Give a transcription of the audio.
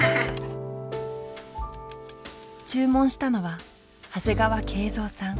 注文したのは長谷川惠三さん